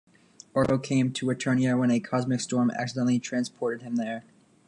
Orko came to Eternia when a "cosmic storm" accidentally transported him there.